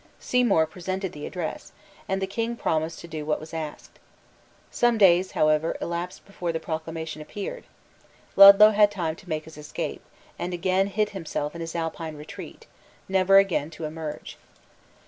Seymour presented the address; and the King promised to do what was asked. Some days however elapsed before the proclamation appeared, Ludlow had time to make his escape, and again hid himself in his Alpine retreat, never again to emerge.